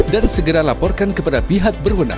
dan segera laporkan kepada pihak berwenang